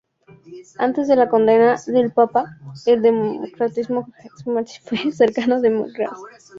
Antes de la condena del Papa, el democristiano Jacques Maritain fue cercano de Maurras.